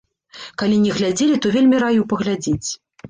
Калі не глядзелі, то вельмі раю паглядзець.